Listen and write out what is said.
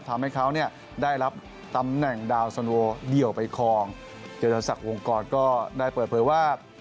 ทำให้เขาเนี่ยได้รับตำแหน่งดาวสันโวเดี่ยวไปคลองเจรศักดิ์วงกรก็ได้เปิดเผยว่า